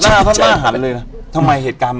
อยู่ที่แม่ศรีวิรัยิลครับ